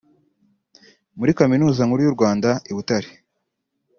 muri kaminuza Nkuru y’u Rwanda I Butare